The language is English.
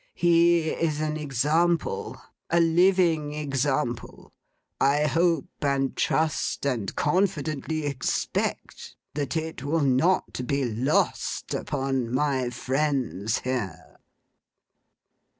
He is an example: a living example. I hope and trust, and confidently expect, that it will not be lost upon my Friends here.